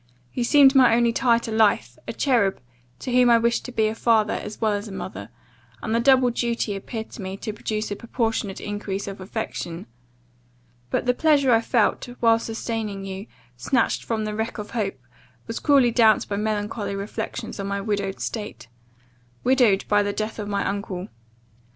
You seemed my only tie to life, a cherub, to whom I wished to be a father, as well as a mother; and the double duty appeared to me to produce a proportionate increase of affection. But the pleasure I felt, while sustaining you, snatched from the wreck of hope, was cruelly damped by melancholy reflections on my widowed state widowed by the death of my uncle.